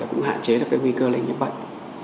cũng hạn chế được nguy cơ lệnh nhiễm bệnh